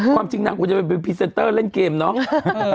ความจริงนางควรจะเป็นพรีเซนเตอร์เล่นเกมเนาะ